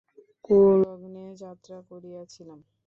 কুলগ্নে যাত্রা করিয়াছিলাম।